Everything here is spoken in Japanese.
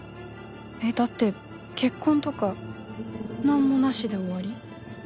えっだって結婚とか何もなしで終わり？